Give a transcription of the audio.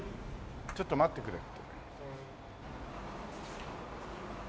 ちょっと待ってくれって。